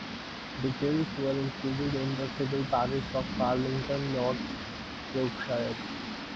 Details were included in the civil parish of Farlington, North Yorkshire.